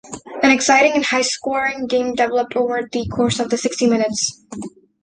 An exciting and high-scoring game developed over the course of the sixty minutes.